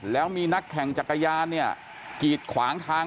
แล้วมีนักแข่งจักรยานเนี่ยกีดขวางทาง